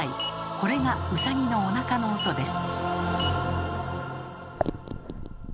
これがウサギのおなかの音です。